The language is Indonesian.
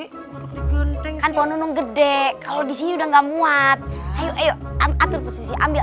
hai menurut digentengkan ponunung gede kalau di sini udah enggak muat ayo ayo atur posisi ambil